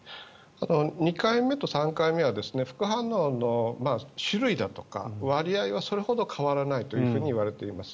２回目と３回目は副反応の種類だとか割合はそれほど変わらないといわれています。